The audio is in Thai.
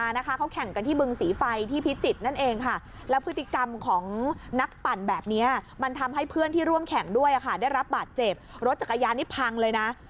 เหตุการณ์มันเกิดขึ้นเมื่อวันที่๑๙ที่ผ่านมานะ